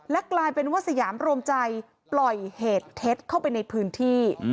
กลายเป็นว่าสยามรวมใจปล่อยเหตุเท็จเข้าไปในพื้นที่